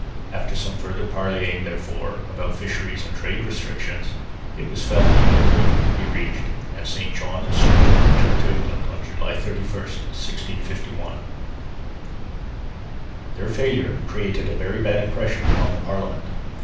After some further parleying therefore about fisheries and trade restrictions, it was felt that no agreement could be reached; and St John and Strickland returned to England on July 31, 1651. Their failure created a very bad impression upon the Parliament.